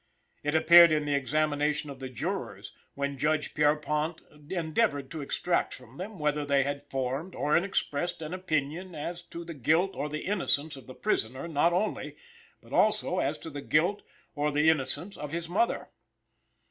It appeared in the examination of the jurors, when Judge Pierrepont endeavored to extract from them whether they had formed or expressed an opinion as to the guilt or the innocence of the prisoner, not only, but also as to the guilt or the innocence of his mother.